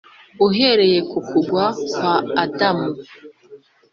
Uhereye ku kugwa kwa Adamu